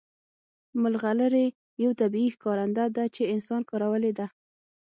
ملغلرې یو طبیعي ښکارنده ده چې انسان کارولې ده